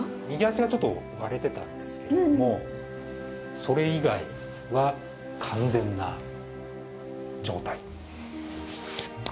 右足がちょっと割れてたんですけれども、それ以外は完全な状態。